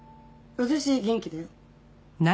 私元気だよ。